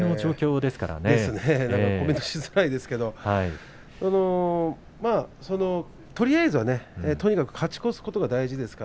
コメントしづらいですけどとりあえずは、とにかく勝ち越すことが大事です。